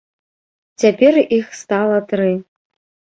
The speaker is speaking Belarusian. Цяпер іх стала тры.